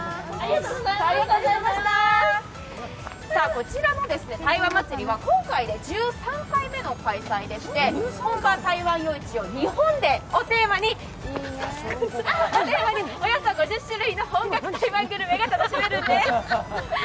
こちらの台湾祭は今回で１３回目の開催でして本場台湾夜市を日本でをテーマにおよそ５０種類の本格台湾グルメが楽しめるんです。